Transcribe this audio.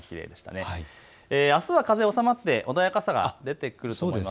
あすは風収まって穏やかさが出てくると思います。